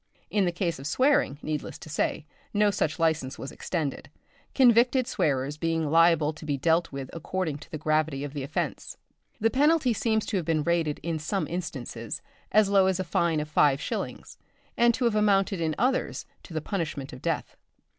In the case of swearing, needless to say, no such licence was extended, convicted swearers being liable to be dealt with according to the gravity of the offence. The penalty seems to have been rated in some instances as low as a fine of five shillings, and to have amounted in others to the punishment of death.